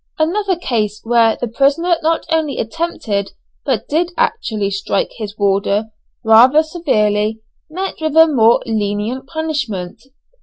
Another case, where the prisoner not only attempted but did actually strike his warder rather severely, met with a more lenient punishment.